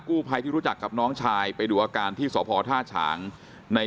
กู้ภัยที่รู้จักกับน้องชายไปดูอาการที่สพท่าฉางใน